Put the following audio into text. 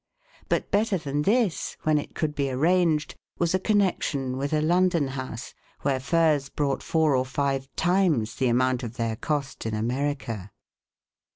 But better than this, when it could be arranged, was a connection with a London house, where furs brought four or five times the amount of their cost in America.